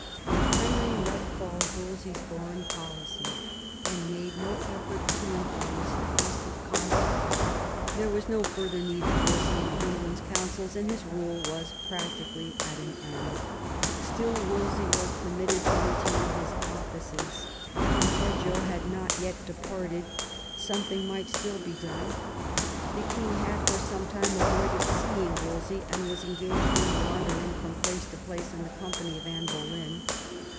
When Henry let fall Wolsey's foreign policy, and made no effort to influence the peace of Cambrai, there was no further need of Wolsey in England's councils, and his rule was practically at an end. Still Wolsey was permitted to retain his offices. Campeggio had not yet departed; something might still be done. The king had for some time avoided seeing Wolsey, and was engaged in wandering from place to place in the company of Anne Bolejm.